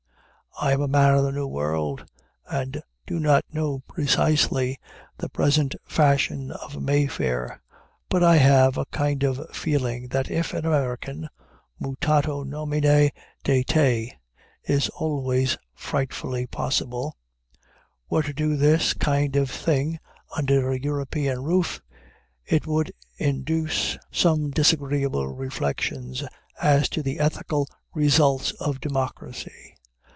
I am a man of the New World, and do not know precisely the present fashion of May Fair, but I have a kind of feeling that if an American (mutato nomine, de te is always frightfully possible) were to do this kind of thing under a European roof, it would induce some disagreeable reflections as to the ethical results of democracy.